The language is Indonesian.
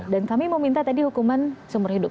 dan kami meminta tadi hukuman sumur hidup